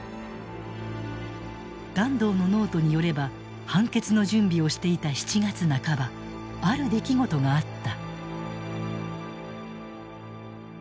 團藤のノートによれば判決の準備をしていた７月半ばある出来事があった。